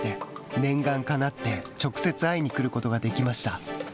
念願かなって直接会いに来ることができました。